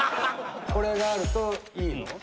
これがあるといいの？